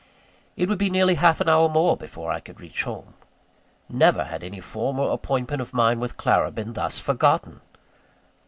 It would be nearly half an hour more before I could reach home. Never had any former appointment of mine with Clara been thus forgotten!